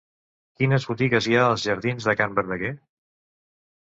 Quines botigues hi ha als jardins de Can Verdaguer?